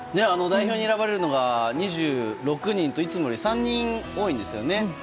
代表に選ばれるのが２６人といつもより３人多いんですよね。